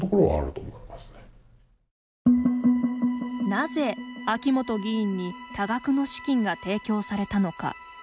なぜ、秋本議員に多額の資金が提供されたのか。